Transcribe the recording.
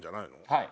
はい。